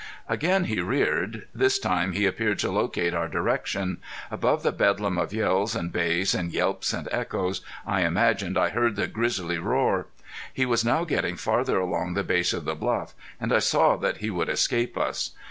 Again he reared. This time he appeared to locate our direction. Above the bedlam of yells and bays and yelps and echoes I imagined I heard the grizzly roar. He was now getting farther along the base of the bluff, and I saw that he would escape us.